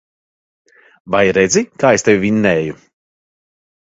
Vai redzi, kā es tevi vinnēju.